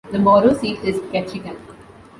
The borough seat is Ketchikan.